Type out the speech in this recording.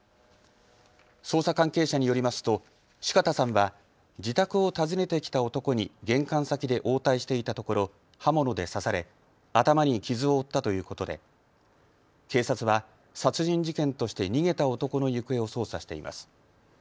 捜査関係者によりますと四方さんは自宅を訪ねてきた男に玄関先で応対していたところ刃物で刺され、頭に傷を負ったということで警察は殺人事件として逃げた男の行方を捜査しています。